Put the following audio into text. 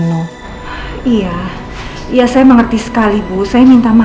bisa kan tapi adalah